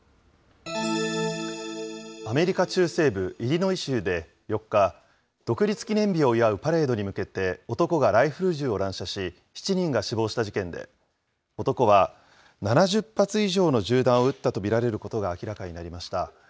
アメリカ中西部イリノイ州で４日、独立記念日を祝うパレードに向けて、男がライフル銃を乱射し、７人が死亡した事件で、男は７０発以上の銃弾を撃ったと見られることが明らかになりました。